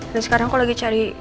dan sekarang aku lagi cari